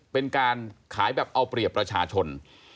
เป็นการขายแบบเอาเปรียบประชาชน